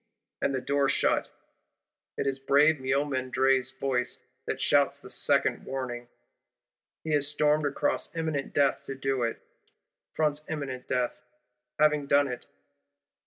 and the door shut. It is brave Miomandre's voice that shouts this second warning. He has stormed across imminent death to do it; fronts imminent death, having done it.